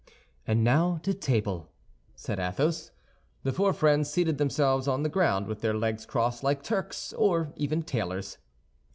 "And now to table," said Athos. The four friends seated themselves on the ground with their legs crossed like Turks, or even tailors.